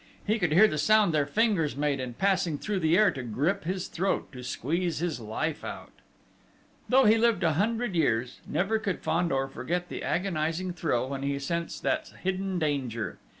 He could hear the sound their fingers made in passing through the air to grip his throat, to squeeze his life out!... Though he lived a hundred years, never could Fandor forget the agonising thrill when he sensed that hidden danger!